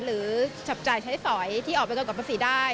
หรือจับจ่ายใช้สอยที่ออกไปกดภาษีได้